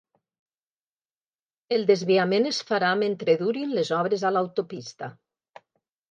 El desviament es farà mentre durin les obres a l'autopista